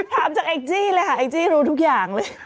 ถามจากแองจี้เลยค่ะแองจี้รู้ทุกอย่างเลย